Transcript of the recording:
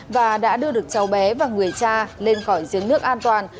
và đã đưa được cháu bé và người cha lên khỏi giếng nước an toàn